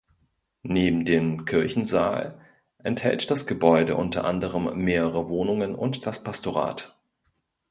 Neben dem Kirchensaal enthält das Gebäude unter anderem mehrere Wohnungen und das Pastorat.